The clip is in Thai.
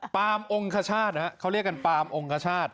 ปลามองคชาตินะเขาเรียกกันปลามองคชาติ